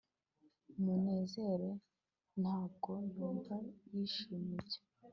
munezero ntabwo yumva yishimiye ibyo